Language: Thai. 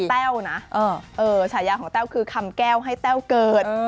นี่กันชอบของแต้วนะฉายาของแต้วคือคำแก้วให้แต้วเกิด